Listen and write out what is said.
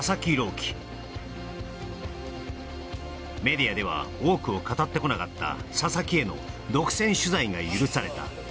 希メディアでは多くを語ってこなかった佐々木への独占取材が許された